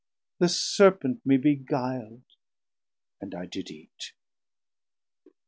The Serpent me beguil'd and I did eate.